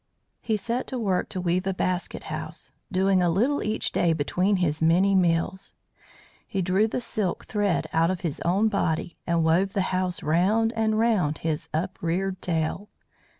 He set to work to weave a basket house, doing a little each day between his many meals. He drew the silk thread out of his own body, and wove the house round and round his upreared tail.